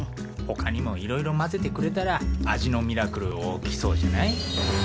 ほかにもいろいろ混ぜてくれたら味のミラクル起きそうじゃない？